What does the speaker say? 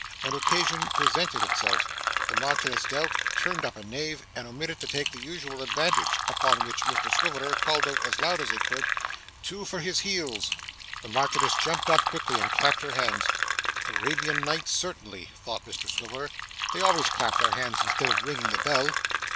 An occasion presented itself. The Marchioness dealt, turned up a knave, and omitted to take the usual advantage; upon which Mr Swiveller called out as loud as he could 'Two for his heels!' The Marchioness jumped up quickly and clapped her hands. 'Arabian Night, certainly,' thought Mr Swiveller; 'they always clap their hands instead of ringing the bell.